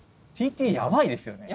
ＣＴやばいですよね。